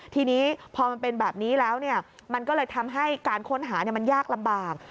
ทีนี้พอมันเป็นแบบนี้แล้วมันก็เลยทำให้การค้นหามันยากลำบาก